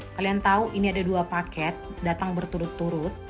kalian tahu ini ada dua paket datang berturut turut